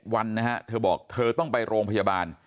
วันนะฮะเธอบอกเธอต้องไปโรงพยาบาล